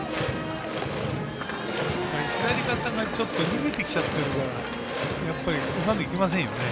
左肩がちょっと逃げてきちゃってるからやっぱり、うまくいきませんね。